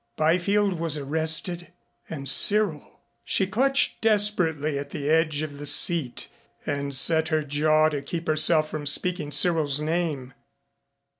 Byfield was arrested and Cyril She clutched desperately at the edge of the seat and set her jaw to keep herself from speaking Cyril's name.